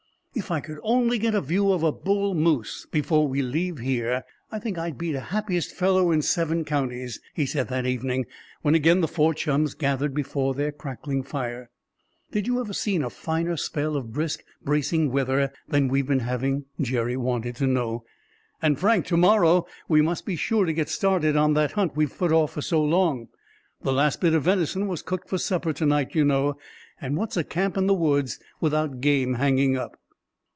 "If I could only get a view of a bull moose before we leave here, I think I'd be the happiest fellow in seven counties," he said that evening, when again the four chums gathered before their crackling fire. "Did you ever see a finer spell of brisk, bracing weather than we've been having?" Jerry wanted to know. "And, Frank, to morrow we must be sure to get started on that hunt we've put off so long. The last bit of venison was cooked for supper to night, you know; and what's a camp in the woods without game hanging up?"